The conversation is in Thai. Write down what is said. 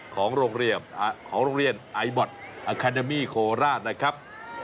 ของโรงเรียนไอบอทอาคาเดมี่โคราชนะครับ